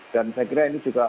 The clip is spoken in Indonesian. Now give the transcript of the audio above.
dan saya kira ini juga